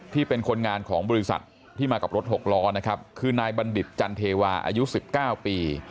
เป็นคนงานของบริษัทที่มากับรถหกล้อนะครับคือนายบัณฑิตจันเทวาอายุ๑๙ปี